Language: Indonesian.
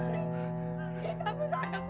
biar kamu jangan pergi